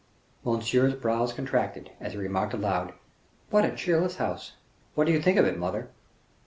Monsieur's brows contracted, as he remarked aloud, "What a cheerless house. What do you think of it, mother?"